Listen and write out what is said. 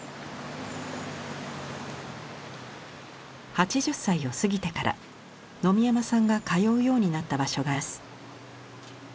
８０歳を過ぎてから野見山さんが通うようになった場所があります。